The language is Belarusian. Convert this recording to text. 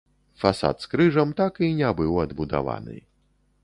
Фасад з крыжам так і не быў адбудаваны.